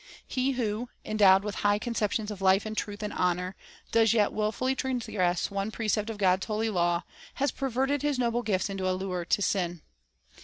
He who, endowed with high conceptions of life and truth and honor, does yet wilfully transgress one precept of God's holy law, has perverted his noble gifts into a lure to sin.